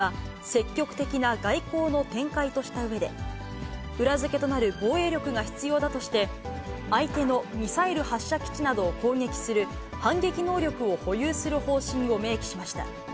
その中で、まず優先されるべきは、積極的な外交の展開としたうえで、裏付けとなる防衛力が必要だとして、相手のミサイル発射基地などを攻撃する反撃能力を保有する方針を明記しました。